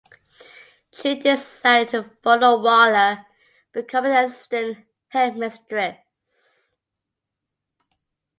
Trew decided to follow Waller becoming the Assistant Headmistress.